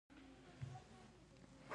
نه به پرې موړ شې.